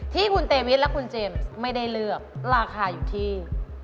ที่คุณเตวิทและคุณเจมส์ไม่ได้เลือกราคาอยู่ที่